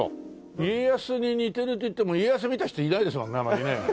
家康に似てるといっても家康見た人いないですもんねあまりね。